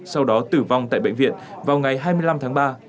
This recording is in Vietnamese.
sau đó tử vong tại bệnh viện vào ngày hai mươi năm tháng ba